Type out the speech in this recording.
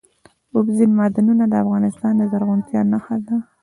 اوبزین معدنونه د افغانستان د زرغونتیا نښه ده.